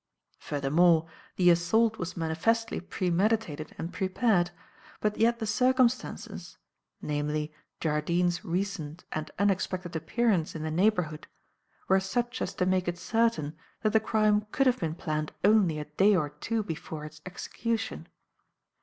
Furthermore, the assault was manifestly premeditated and prepared; but yet the circumstances namely, Jardine's recent and unexpected appearance in the neighbourhood were such as to make it certain that the crime could have been planned only a day or two before its execution.